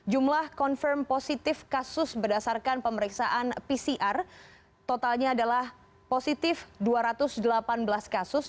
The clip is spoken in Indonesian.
jumlah confirm positif kasus berdasarkan pemeriksaan pcr totalnya adalah positif dua ratus delapan belas kasus